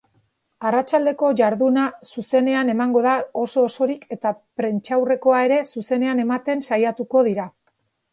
Arratsaldeko jarduna zuzenean emango da oso-osorik eta prentsaurrekoa ere zuzenean ematen saiatuko dira.